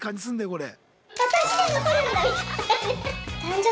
これ。